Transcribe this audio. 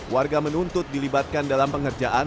warga menuntut dilibatkan dalam pengerjaan